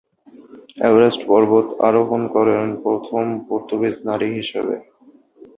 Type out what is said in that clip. Everest পর্বত আরোহণ করেন প্রথম পর্তুগিজ নারী হিসেবে।